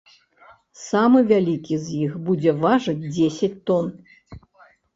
Самы вялікі з іх будзе важыць дзесяць тон.